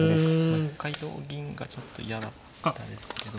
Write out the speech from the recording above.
一回同銀がちょっと嫌だったですけど。